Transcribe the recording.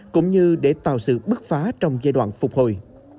cũng như để tạo sự bức phá trong giai đoạn phục hồi